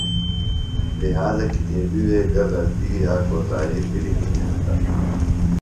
لہٰذا کتیبی وے گہ غلطی یا کوتاہی بھِلی ہِنیۡ ہینتہ،